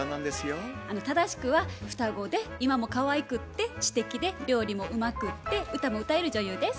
正しくは双子で今もかわいくって知的で料理もうまくって歌も歌える女優です。